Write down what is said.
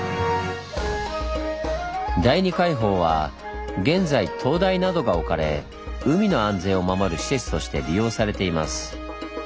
第二海堡は現在灯台などが置かれ海の安全を守る施設として利用されています。